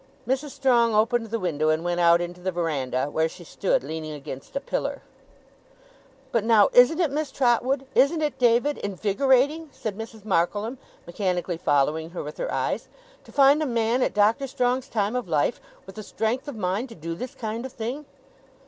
Mrs. Strong opened the window, and went out into the verandah, where she stood leaning against a pillar. 'But now isn't it, Miss Trotwood, isn't it, David, invigorating,' said Mrs. Markleham, mechanically following her with her eyes, 'to find a man at Doctor Strong's time of life, with the strength of mind to do this kind of thing?